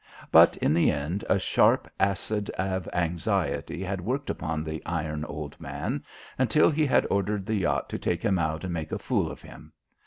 But in the end a sharp acid of anxiety had worked upon the iron old man, until he had ordered the yacht to take him out and make a fool of him.